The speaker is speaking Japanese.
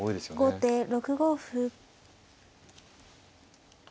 後手６五歩。